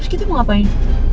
terus kita mau ngapain